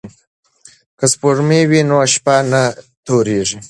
که سپوږمۍ وي نو شپه نه تورېږي.